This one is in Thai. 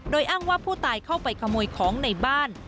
โดยอ้างว่าผู้ตายเข้าไปขโมยของในบ้าน